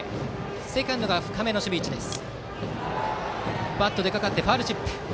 セカンドが深めの守備位置です。